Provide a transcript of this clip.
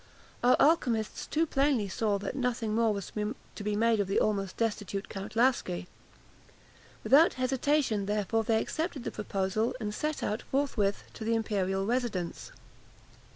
Our alchymists too plainly saw that nothing more was to be made of the almost destitute Count Laski. Without hesitation, therefore, they accepted the proposal, and set out forthwith to the imperial residence.